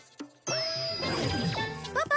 パパ！